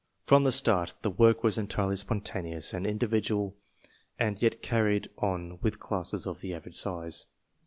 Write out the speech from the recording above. From the start the work was entirely spontaneous and individual and yet carried on with classes of the average size.